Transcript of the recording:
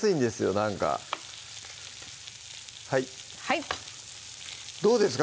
なんかどうですか？